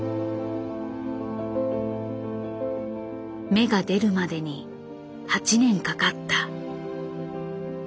芽が出るまでに８年かかった。